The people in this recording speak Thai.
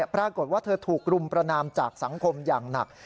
ปรากฏว่าเธอถูกรุมประนามจากสังคมอย่างหนัก